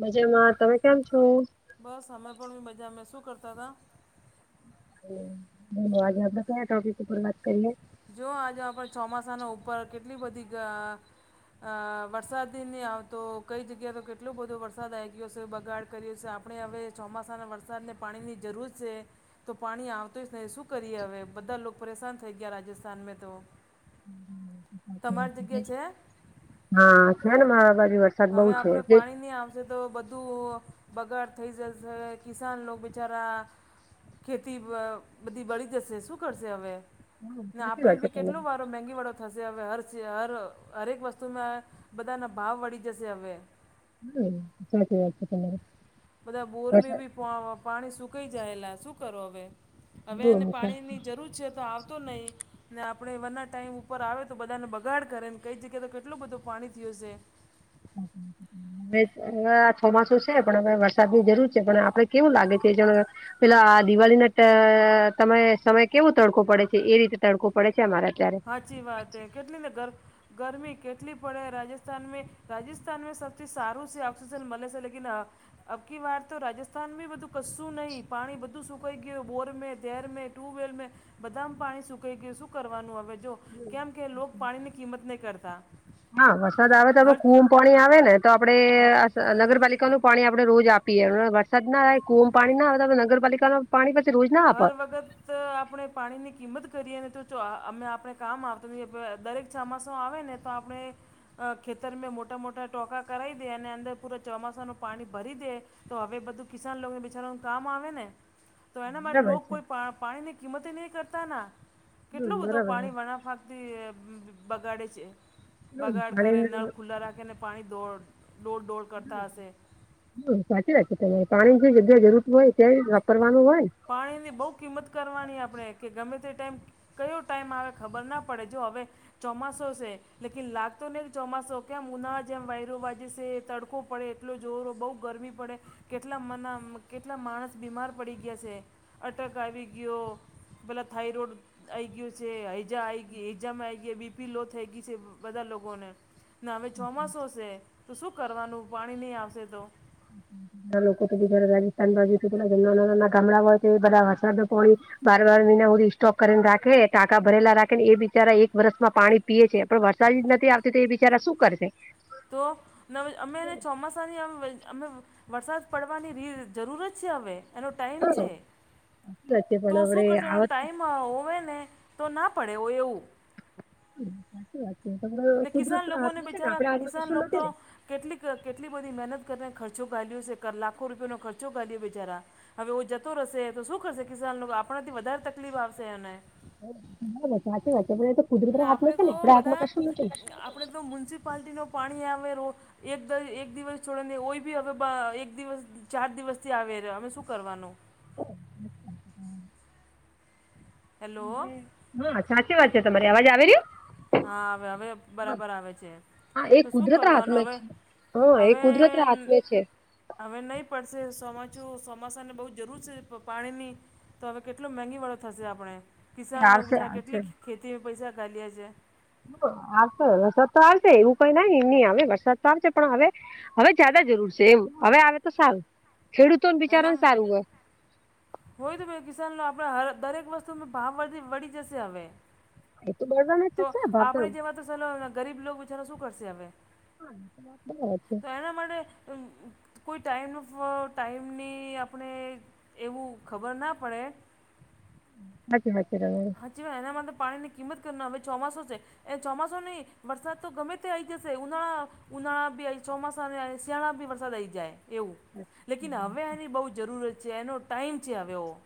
મજામાં તમે કેમ છો બસ અમે પણ બજામે શું કરતા હતાા બ આજે આપણે કયા ટોપિક ઉપર વાત કરીએ જો આજે આપણે ચોમાસાના ઉપર કેટલી બધી અ વરસાદી નહી આવતો કઈ જગ્યાએ તો કેટલો બધો વરસાદ આવી ગયો છે બગાડ છે આપણે હવે ચોમાસાના વરસાદ ને પાણી ની જરૂર છે તો પાણી આવતો જ નહી શું કરીએ હવે બધા લોકો પરેશાન થઈ ગયા રાજસ્થાન સાાનમે તો તમારી જગ્યા છે હા શેને મા બાબજી વ હવે આપડણે પાણી ની આવ તો બધું બગાડ થઈ જશે કિસાન બિચારા ખેતી બધી બળી જશે શું કરશે હવે સાચી આપણે વાત છે બી કેટલો તમારી વાર ી વળો થશે હ હક વસ્તુમાં બધાના ભાવ વળી જસે હવે હમ, સાચી વાત છે તમારી બધા બોરમે વરસાદ ભી પાણી સુકાઈ જાયલા શું કરો હવે હવે બહુ એને વરસાદ પાણીની જરૂર છે તો આવતો નહીિ ને આપણેે વરના ટાઈમ ઉપર આવે તો બધાને બગાડ કરે ને કઈ જગ્યાએ તો કેટલું બધું પાણી થયયો હશે [inaudible] હવે ચોમાસું છે પણ અ વરસાદ ની જરૂર છે પણ આપડે કેવું લાગે છે એ પેલા આ દિવાળી ના તમે સમય કેવું તડકોું પડે છે એ રીતે તડકોું પડે છે અમારે અત્યારે સાચી વાત એ કેટલીને ગર ગરમી કેટલી પડે રાજસ્થાન રાજસ્થાનમાં સૌથી સારું સ ઓક્સીજન મળલે છે લક અી વાત તો રાજસ્થાન બી બધું કું નહીિ પાણી બધું સુકાઈ ગયું બોર મે ધેર મે ટ્યુબવેલ બધાામ પાણી સુકાઈ ગય શું કરવાનું આવે જો કેમ કે પાણી ની કિંમત નહીં કરતા હા વરસાદ આવે તો આપડ હર કુમ પાણી આવે ને તો આપડે હર નગરપાલિકાનુંું પાણી આપડણે રોજ આપીએમ વરસાદ ના આવે કોમ પાણી ના હોતા નગરપાલિકા ન પાણી પાછી રોજ ના આપે હર વગત આપણે પાણીની કિંમત કરીએ ને તો અમે આપણે કામ આવતા નથી દરેક ચોમાસો આવે ને તો આપણે ખેતરમાં મોટા મોટા ટોંકા કરાવી દે અને અંદર પૂરા ચોમાસાનું પાણી ભરી દે તો હવે બધું કિસાન લોકોને બિચારવાનું કામ આવે ને. તો એના માટે લો બરાબર છે કોઈ પાણીની કિંમત નહીં કરતા હમ કેટલું બધું બરાબર પાણી વણાફા બગાડે છે બગાડ પાણી કરે નળ ખુલ્લા રાખે ને પાણી ધોડ દોડ દોડ કરતા હશે. સાચી રાખે તમારે પાણી જગ્યા જરૂર હોય ત્યાંય વાપરવાનું હોય. પાણીની બહુ કિંમત કરવાની આપણે કે ગમે તે ટાઈમ કયો ટાઈમ આવે ખબર ના પડે જો હવે ચોમાસો છે લાગતો નહી ચોમાસો કેમ ઉના જેમ વાયરો બાજ છે તડકો પડે કેટલો જોરો બહુ ગરમી પડે કેટલા મના કેટલા માણસ બીમાર પડી ગયા છે અટક આવી ગયો પેલા થઈરોડ આઈ ગયું છે હજી આ હજા આઈ ગયા બીપી લો થઈ ગઈ છે બધા લોકોને. ને હવે ચોમાસું છે તો શું કરવાનું પાણી નહીં આવશે તો. લોકો તો બી રાજસ્થાન બાજું પેલા નાના નાના ગામડાઓય છે બધા વરસાદ પોણી બાર બાર મહિના સુધી સ્ટોક કરીને રાખે ટાકા ભરેલા રાખે ને એ બિચારા એક વર્ષમાં પાણી પીએ છે પણ વરસાદી જ નથી આવતી તો એ બિચારા શું કરશે. તો અમે એને ચોમાસાની અમે વરસાદ પડવાની જરૂરત છે હવે. એનો ટાઈમ હ સાચી છે વાત છે તો પણ હવે શું કરજો એનો આવત ટાઈમ હોવે ને તો ના પડે હો એવું. સાચી વાત છે ને કુદરત કિસાન ના હાથ લોકોને નથી ને બિચારા આપડે આજમાં કિસાન કિશો લોકો નથી તો ને. કેટલી કેટલી બધી મહેનત કરીને ખર્ચો ઘાઢ્યો છે લાખો રૂપિયાયોનો ખર્ચો કાડીયો બિચારા. હવે ઓ જતો રહેશે તો શું કરશે કિસાન આપણાથી વધારે તકલીફ આવશે અને. બ બરાબર સાચી વાત છે પણ એ તો કુદરત ના હાથ આપણે નથી છે તો ને આપણા હાથમાં બધા કશું નથી. આપણે તો મ્યુનિસિપાલટીનો પાણી આવે રોડ. એક દ એક દિવસ છોડને ઓય ભી હવે એક દિવસ. ચાર દિવસથી આવે રહ્યો અમે શું કરવાનું. હ [unintelligible] હેલો હા સાચી વાત છે તમારી અવાજ આવે રહીયો. હા હવે હવે બરાબર આવે છે હા એ તો શું કુદરત ના કરવાનું હાથમાં હવે. છે હા એ હવે કુદરત હાથમે છે. હવે નહીં પડશે ચોમાચું ચોમાસાને બહુ જરૂર છે પાણીની. તો હવે કેટલો મગી વાળો થશે આપણે એ કિસાન આવશે પછા આવશે કેટલી ખેતી પૈસા કાલીએ છે. આવશે વરસાદ તો આવશે એવું કઈ ના એહી આવે વરસાદ તો આવશે પણ હવે. હવે જદા જરૂર છે એ હવે આવે તો સારું ખેડૂતોનું એના બિચારા સારું હોય. હોય તો કિસાન આપ દરેક વસ્તુ ભાવી વળી જશે હવે. એ તો બળવાના જ તો છે ભાવ આપણે જેમાં તો સલો ગરીબ લો પછાનો શું કરશે હવે. બરાબર તો એના માટે. કોઈ ટાઈમ ટાઈમની આપણે એવું ખબર ના પડે. અચ્છા સાચ્ આવી. સાચીવાય એના માટે પાણીની કિંમત કરનો હવે ચોમાસું છે. એ ચોમાસું નહી વરસાદ તો ગમે તે આવી જશે ઉનાળા. ઉઊનાળા આ ચોમાસાને અને સેણા બ વરસાદ આવી જાય. એવું લેકિન હવે એની બહુ જરૂરત છે એનો ટાઈમ છે હવો.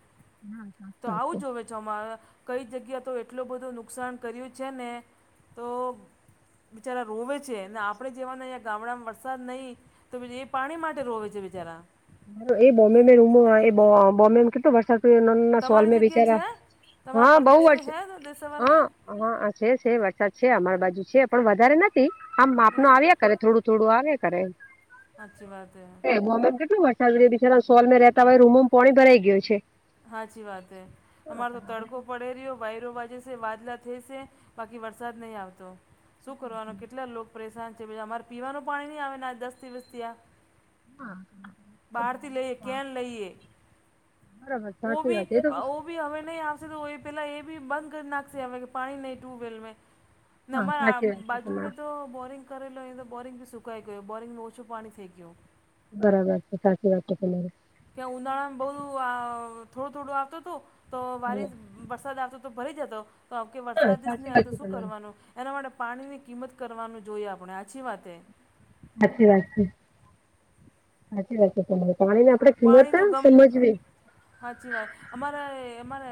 તો આવું જોવે છે અમારા. કઈ જગ્યાએ તો એટલું બધું નુકસાન કર્યું છે ને તો. બિચારા રોવે છે ને આપડે જેવાના અહીંયા ગામડામાં વરસાદ નહી. તો પી એ પાણી માટે રોવે છે બિચારા. એ બોમ્બ રૂમ બોમ્બેમાં કેટલો વરસાદ. ના તમારી સોલમે જગ્યા વિચાર છે તમારા હા બઉ પ્રદેશ મે જ હૈ તો દેશ સવાર મે હા હા છે છે વરસાદ છે અમાર બાજુ છે પણ વધારે નથી આમ માપ ન એવું આવ્યા કરે થોડું. થોડું આવે કરે અચ્છી વાત હ બોમ્બે કેટલો વરસાદ રહલા બિચારા સોલ રતા હોય રૂમોમાં પાણી ભરાઈ ગયું છે હાચી વાતે હા હમારે તો તડકો પડે રહ્યો વાયરો વાજે છે વાદલા થ છે બાકી વરસાદ નહીં આવતો. શું કરવાનું કેટલા લો પરેશાન છે બીજા અમારે પીવાનું પાણી નહીં આવેને આ દસ દિવસથી આ હ બહાર થી લઈએ કેમ લઈએ બરાબર ઓ સાચી ભી વાત એ તો બી હવે નહી આવશે તો પેલા એ બી બંધ કરી નાખશે હવે પાણી નહી ટ્યુબવેલ હા નંબર સાચી વાત છે બાજુ મે તમારે તો બોરિંગ કરેલો લોહી તો બોરિંગ સુકઈ ગયો બોરિંગમાં ઓછું પાણી થેક્યું બરાબર છે સાચી વાત છે તમારી ત્યાં ઉનાળા બઉ થોડું થોડું આવતો તુ તો વારી વરસાદ આવતો તો ભરી જતો તો આવમ કે હા વરસાદસ નને સાચી આવે વાત તો છે શું તમારી કરવાનું? એના માટે પાણીની કિંમત કરવાનું જોઈએ આપણે આછી વાતે સાચી વાત છે સાચી વાત છે તમારે પાણી ની આપણેે કિંમત સમજવી. સાાચી વાત અમારે અમારે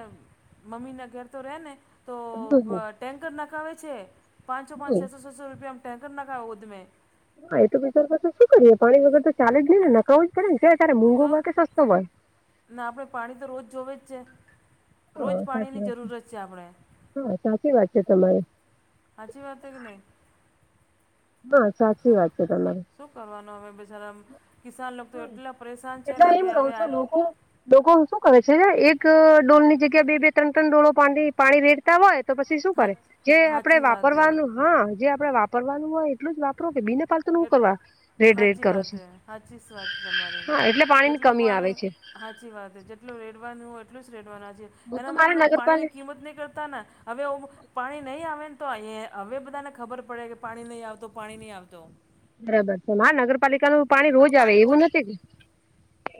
મમ્મીના ઘર તો રહે ને તો હા ટેન્કર નખાવે છે પાંચસો પાંચ છસો છસો રૂપિયામાં ટેન્કર નાખાવો ઉધમે હા એ તો બચારમાં તો શું કરીએે પાણી વગર તો ચાલે જ નહી ને નખાવવું જ પડેને કે ત્યારે મંઘુંય કે સસ્તો હોય ના આપણે પાણી તો રોજ જોવે જ છે રોજ હા સાચી પાણીની વાત જરૂરત છે આપણે હા સાચી વાત છે તમારે હાજી વાત કે નહી? હા સાચી વાત છે તમારે શું કરવાનું હવે બ જારા કિસાન લોકો તો એટલા પરેશાન છે ને કે હવે આ ડોકો શું કરે છે એક ડોલ ની જગ્યા બે બે ત્રણ ત્રણ ડોલો પા પાણી રેડતા હોય તો પછી શું સાચ કરે જે આપડે સાચી વાત વાપરવાનું હા જે આપડે વાપરવાનું હોય એટલું જ વાપરો કે બિને પાતું એ સાચી વાત સાચી વાત તમારી હા એટલે પાણીની જેટલું કમી આવે પાણી છે સાચી વાત જેટલ રેડવાનું હોય એટલું જ રેડવાનું હચી હું તો એના મારે માટે પાણી ની નગરપાલિકા કિંમત નહં કરતા ને અમે પાણી નહી આવે ને તો હવે બધાને ખબર પડે કે પાણી નહી આવત પાણી નહી આવતો બરાબર છે મા નગરપાલિકાનું પાણી તો રોજ આવે એવું રોજ નથી કે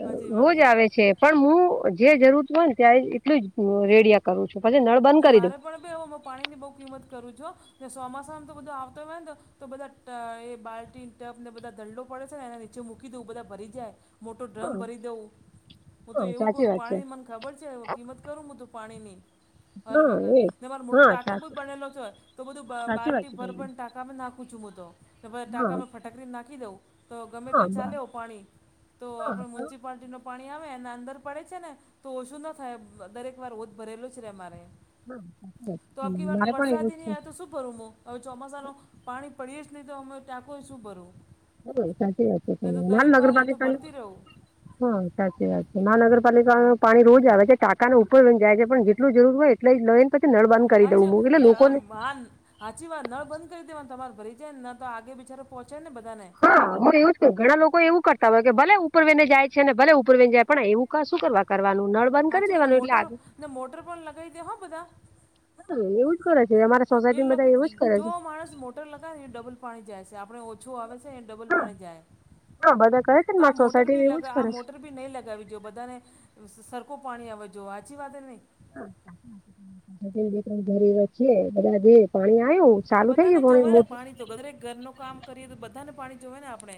હાચી રોજ વાત હે આવે છે પણ હું જે જરૂરત હોય ને ત્યાં એટલું જ રેડિયા કરું છું પછી નળ બંધ ને કરી દઉં મારે પણ ભાઈ હવે હું પાણીની બહુ કિંમત કરું છું ને ચોમાસામાંમ તો બધો આવતો હોય નો તો બધા એ બાલ્ટી ટપ ને બધા દંડો પડે છે ને એને નીચે મૂકી દવં બધા ભરી જાય. મોટો ડ્રમ હા ભરી દઉં હું તો હા એવું સાચી કરું વાત છે પાણી મન ખબર છે કિંમત કરું હૂતો પાણીની હર હા વગર એજ ને મારો મોટો હા ટાકો બ સાચી બનેલો છે હોય તો બધું સાચી વાત બાલ્ટી છે ભર તમારી પણ ટા ટાકા નાખું છું હું તો કે ભ હા ટાકામાં ફટાકડીને નાખી દઉં તો ગમે તે હા બ ચાલે હો પાણી તો હા આપણે હા મ્યુનસિપાલિટીનો પાણી આવે એના અંદર પડે છે ને તો ઓછું ન થાય દરેક વાર ઓત ભરેલું જ રહેમારે હા તો આ આપકી વાર તો મારે પણ એવું વરસાદી જ નં છે આ તો શહું ભરું હવે ચોમાસા ન પાણી પડીએ જ નહી તો અમે તાંકો શું ભરવું? બરોબ સાચી વાત માલ નગરપાલિકા તો ભરતી રહું હા સાચી વાત છે મહાનગરપાલિકામાં પાણી રોજ આવે છે ટાકા ઉપરને જાય છે પણ જેટલું જરૂર હોય એટલે નવીન પછી નળ બંધ કરી દઉં એટલે લોકોને બન. હાચી વાત નળ બંધ કરી દેવાને તમારે ભરી જાય ને ન તો આગે બિચારે પહંચે ને બધાને. હા હું એવું જ કર ઘણા લોકો એવું કરતા હોય કે ભલે ઉપર વને જાય છેને ભલે ઉપર વને જાય પણ એવું ક શું કરવા. કરવાનું નળ બંધ કરી હાચી વાત ને દેવાનું એટલે મોટર આગળ. ને મોટર પણ લગાવી દે હો બધા એવું જ કરે છે અમારે એ જો માણસ મોટર લગાવ ને ડબલ પાણી જાય છે આપણે આપડે ઓછું એવી છે એને ડબલ પાણી હા બધા કરે છે ને મારી જાઉં સોસાયટી એવું જ કરે છે બી નહીં લગાવી જો બધાને સરખું પાણી આવજ વાચી વાત નહીં. તદ [inaudible] પાણી આવ્યું ચાલુ થઈ બધાને ગયું જોવે ને મોટર પાણી તો ગરે ઘરનું કામ કરીએ તો બધાને પાણી જોવે ને આપણે.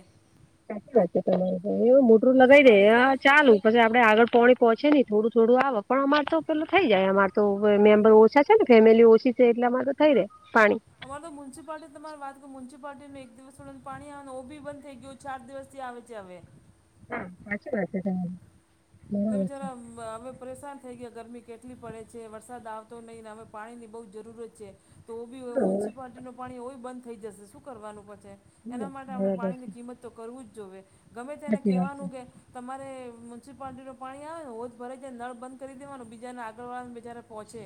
સાચી વા એવું મોટરું શું લગાવી કહો દે હ એટલે ચાલુ. પછી આપડે આગળ પોણી પહોંચે ઈ થોડું થોડું આવે પણ અમાર તો પેલું થઈ જાય અમાર તો મેમ્બર છે ને ફેમિલી ઓછી છે એટલે માર થઈ રે પાણી. અમારે તો મ્યુસિપાલિટી તમા વાત કરું મ્યુનસિપાલિટી ન એક દિવસ થો પાણી આવે ઓ બી બંધ થઈ ગયું છે. ચાર દિવસથી આવે છે હવે. હા સાચું વાત છે તમારી. એ બરાબર વિચાર છે અવે પરેશાન થઈ ગયા ગરમી કેટલી પડે છે વરસાદ આવતો નહીં ને અમે પાણીની બહુ જરૂરત છે. તો ઓ બી હા મ્યુનિસિપાલિટી ન પાણી ઓવ બંધ થઈ જશે શું કરવાનું પછે. એના માટે આપણે બરાબર પાણી છે ની કિંમત તો કરવું જ જોઈએ ગમે તેને સાચી વાત છે કહેવાનું કે તમારે મ્યુનિસિપાલિટી પાણી આવે ને હોજ ભરે જ નળ બંધ કરી દેવાનું બીજાને આગળ વાળવાને બજાને પહોંચે.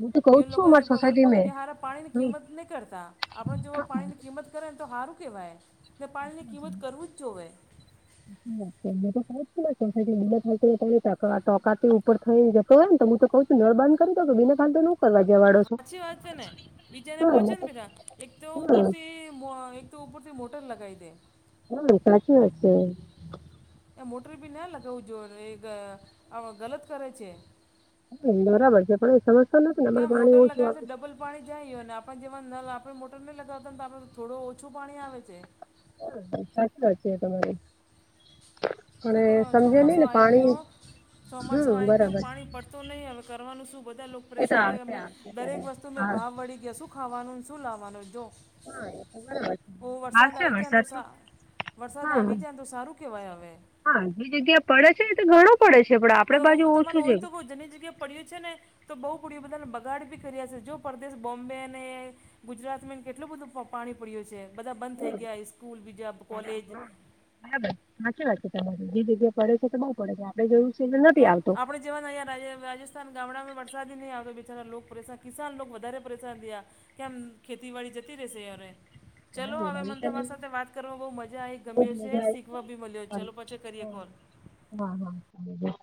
હું તો કઉ જ એ છું લોકો અમારી સોસાયટી મેં એારા પાણી ની કિંમત નહી કરતા આપણે જો પાણીની કિંમત કરે ને તો સારું કહેવાય પાણીની કિંમત કરવું જ જોએ. ને તો થને થાય ત ટકા થઈને તો એમ તો હું તો કઉું છું નળ બાંધ કરતો કે બેને ફ તો હછી વાત છે ને બીજાને પહોંચે હા બેટા એક તો ઉપરથી તો ઉપરથી મોટર લગાવી દે. હમ સાચી વા છે. એ મોટર બી ના લગાવું જોઈએ એ ગલત કરે છે. બરાબર છે પણ એ સમસ્યા નથી ને કે અમારે આ પાણી મોટર ઓછું લગાવે આવે છે. ડબલ પાણી જાયું અને આપણ જેમાં નલ આપણે મોટરહીં લગાવતા ને તો આપણ થોડું ઓછું પાણી આવે છે. હા સાચી વાત છે તમારી. પણ શું એ કરવાનું સમજે ચોમાસો નઈ ને આવી પાણી ગયો ચોમાસું હમ્મ આવી ગયો બરાબર પાણી પડતું તો નહીં હવે કરવાનું શું બધા લોકો એ તો પ્રેશાન થયા અમે આવશે આવશે દરેક ત્યારે વસ્તુ મે હા ભાવ વળી ગયા શું ખાવાનું શું લાવવાનું જો હા એ તો બરાબર છે. ઓ વરસાદ આવશે આઈ જ તો વરસાદ સા વરસાદ હા આવી જાય તો સારું કહેવાય હવે. હા જે જગ્યા પડે છે તો ઘણું પડે છે પણ આપડે બાજુ ઓછું છે. જને જગ પડ્યું છે ને તો બહુ પુડ બધાને બગાડ બી કર્યા છે જો પરદેશ બોમ્બે અને ગુજરાતમાં કેટલું બધું પાણી પડ્યું છે બધા બંધ થઈ ગયા સ્કૂલ બીજા કોલેજ બરાબર વાચી વાત છે તમારે જે જગ્યા પડે છે તો બહુ પડે છે આપડે જોયું છે એટલે નથી આવતો. જેવાન અહીંયા રાજ રાજસ્થાન ગામડામાં વરસાદી નહીં આવતો બચારા લોકો પરેશાન કિસાન લોકો વધારે પરેશાન થયા. કેમ ખેતીવાડી જતી રહેશે યાર. ચલો હા હવે મને તમારી રાજસ્થાનમાં સાથે વાત કરવામાં બહુ મજા આવી બઉ જ ગમ્યો છે મજા શીખવા આવે બી મળ્યો છે. ચાલલો પછી કરીએ કોલ. હા હા હ.